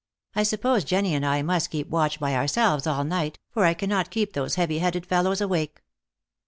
I suppose Jenny and I must keep watch by ourselves all night, for I cannot keep those heavy headed fellows awake."